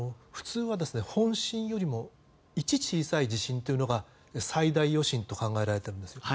普通は本震よりも１、小さい地震というのが最大余震と考えられているんです。